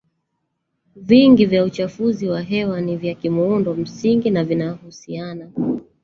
vingi vya uchafuzi wa hewa ni vya kimuundo msingi na vinahusiana